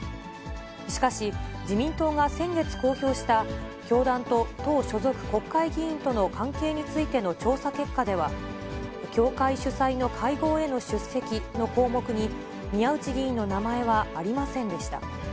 しかし、自民党が先月公表した、教団と党所属国会議員との関係についての調査結果では、教会主催の会合への出席の項目に、宮内議員の名前はありませんでした。